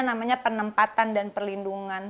namanya penempatan dan perlindungan